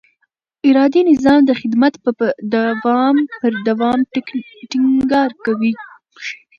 اداري نظام د خدمت پر دوام ټینګار کوي.